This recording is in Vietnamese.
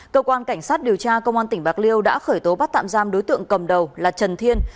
cơ quan cảnh sát điều tra công an tp hcm đã khởi tố bắt tạm giam đối tượng cầm đầu là trần thiên